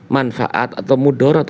manfaat atau mudarat